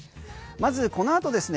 まずこの後ですね